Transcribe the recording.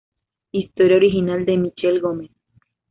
Historia original de Michel Gomez.